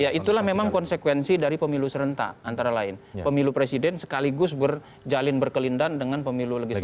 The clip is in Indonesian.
ya itulah memang konsekuensi dari pemilu serentak antara lain pemilu presiden sekaligus berjalin berkelindan dengan pemilu legislatif